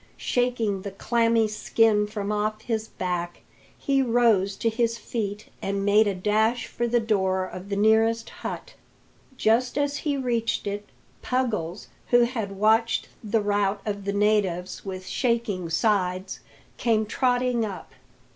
Shaking the clammy skin from off his back, he rose to his feet and made a dash for the door of the nearest hut. Just as he reached it, Puggles, who had watched the rout of the natives with shaking sides, came trotting up.